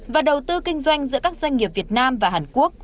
và đầu tư kinh doanh giữa các doanh nghiệp việt nam và hàn quốc